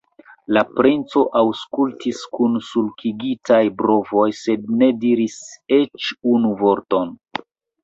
La princo aŭskultis kun sulkigitaj brovoj, sed ne diris eĉ unu vorton.